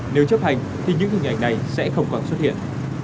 nếu chấp hành thì những hình ảnh này sẽ không còn xuất hiện